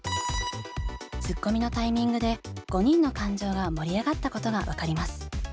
ツッコミのタイミングで５人の感情が盛り上がったことが分かります。